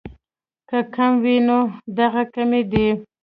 کۀ کم وي نو دغه کمے دې